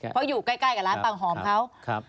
เพราะอยู่ใกล้กับร้านปังหอมเขา